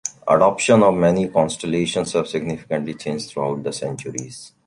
Adoption of many constellations has significantly changed throughout the centuries.